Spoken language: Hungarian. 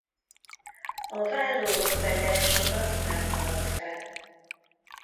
A várról okleveles adat nem maradt fenn.